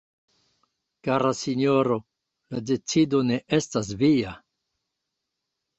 Kara Sinjoro, la decido ne estas via.